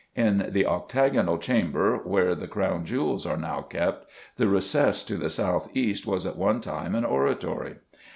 In the octagonal chamber where the Crown Jewels are now kept, the recess to the south east was at one time an oratory.